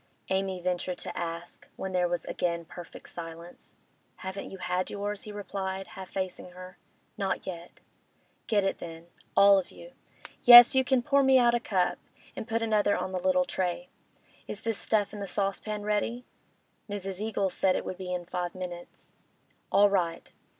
Amy ventured to ask, when there was again perfect silence. 'Haven't you had yours?' he replied, half facing her. 'Not yet.' 'Get it, then—all of you. Yes, you can pour me out a cup—and put another on the little tray. Is this stuff in the saucepan ready?' 'Mrs. Eagles said it would be in five minutes.'. 'All right.